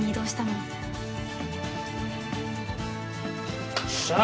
よっしゃ！